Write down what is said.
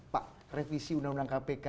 pak revisi undang undang kpk